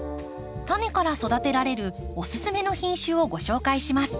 タネから育てられるおすすめの品種をご紹介します。